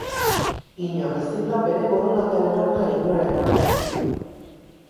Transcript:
Inor ezin da bere borondatearen aurka inora eraman.